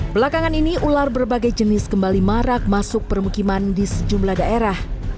belakangan ini ular berbagai jenis kembali marak masuk permukiman di sejumlah daerah